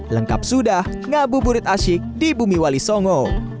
lengkap sudah ngabuburit asyik di bumi wali songo